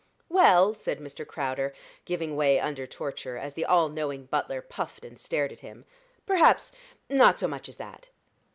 "Well," said Mr. Crowder, giving way under torture, as the all knowing butler puffed and stared at him, "perhaps not so much as that."